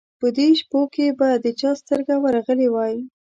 په دې شپو کې به د چا سترګه ورغلې وای.